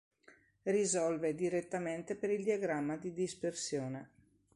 Risolve direttamente per il diagramma di dispersione.